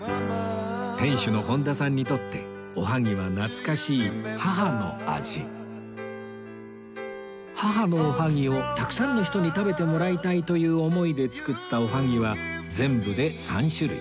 店主の本多さんにとっておはぎは母のおはぎをたくさんの人に食べてもらいたいという思いで作ったおはぎは全部で３種類